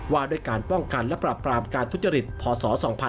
ว่าด้วยการป้องกันและปรับปรามการทุจริตพศ๒๕๖๒